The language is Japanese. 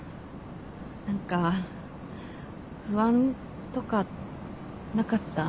何か不安とかなかった？